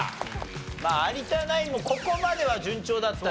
まあ有田ナインもここまでは順調だったのよ。